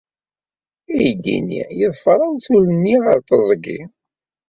Aydi-nni yeḍfer awtul-nni ɣer teẓgi.